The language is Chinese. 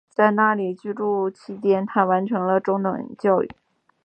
在那里居住期间她完成了中等教育。